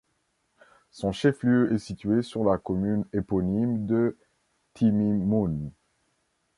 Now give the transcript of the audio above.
Son chef-lieu est situé sur la commune éponyme de Timimoun.